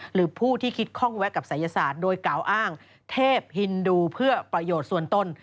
หรือผู้ที่คิดคล่องแวะกับศัยศาสตร์โดยกล่าวอ้างเทพฮินดูเพื่อประโยชน์ส่วนตน